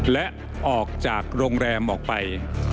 และออกจากโรงแรมออกไป